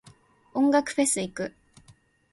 音楽フェス行く。